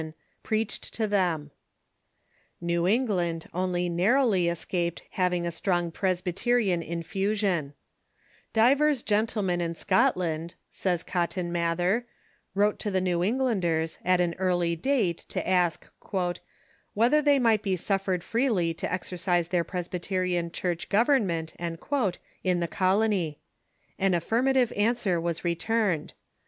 622 THE CHURCH IN THE UNITED STATES New England only narrowly escaped having a strong Presby terian infusion, " Divers gentlemen in Scotland," says Cotton Mather, wrote to the Nevv Englanders at an early date to ask " whether they might be suffered freely to exercise their Pres byterian Church govenniient " in the colony. An affirmative answer was returned.